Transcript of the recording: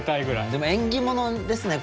でも縁起物ですね